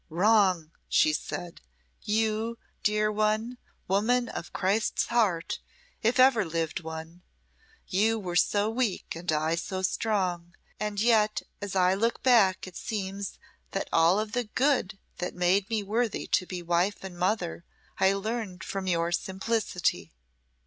"Wrong!" she said "you! dear one woman of Christ's heart, if ever lived one. You were so weak and I so strong, and yet as I look back it seems that all of good that made me worthy to be wife and mother I learned from your simplicity."